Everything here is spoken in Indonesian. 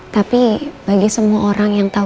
tapi bagi semua orang yang tahu